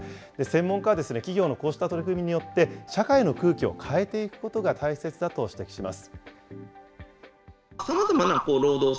専門家は企業のこうした取り組みによって、社会の空気を変えていくことが大切だと指摘します。